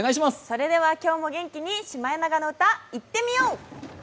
それでは今日も元気にシマエナガの歌、いってみよう！